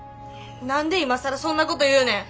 何で今更そんなこと言うねん。